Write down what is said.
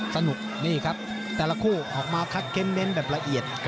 สนุกนี่ครับแต่ละคู่ออกมาคัดเค้นเน้นแบบละเอียด